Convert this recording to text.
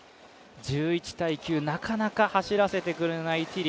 なかなか走らせてくれないティリ。